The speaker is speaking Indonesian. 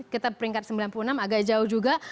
kita peringkat sembilan puluh enam agak jauh juga